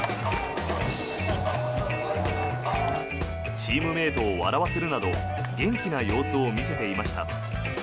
チームメートを笑わせるなど元気な様子を見せていました。